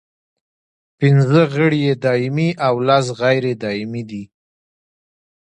پنځه غړي یې دایمي او لس غیر دایمي دي.